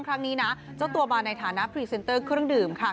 ครั้งนี้นะเจ้าตัวมาในฐานะพรีเซนเตอร์เครื่องดื่มค่ะ